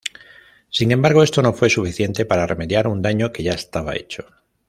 Sin embargo, esto no fue suficiente para remediar un daño que ya estaba hecho.